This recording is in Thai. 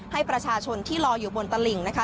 ให้ประชาชนที่รออยู่บนตลิ่งนะคะ